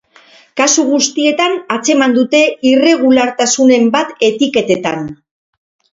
Kasu guztietan atzeman dute irregulartasunen bat etiketetan.